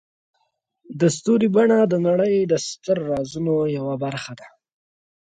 د ستوري بڼه د نړۍ د ستر رازونو یوه برخه ده.